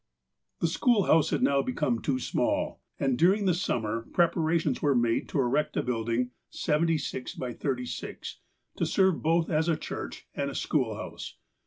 The school house now had become too small. And during the summer preparations were made to erect a building (76x36) to serve both as a church and a schoolhouse.